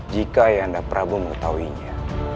jika ayanda prabu mengetahuinya